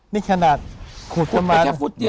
นี่ขนาดขุดจะมา